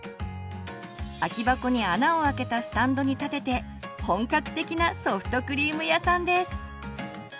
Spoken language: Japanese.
空き箱に穴をあけたスタンドに立てて本格的なソフトクリーム屋さんです！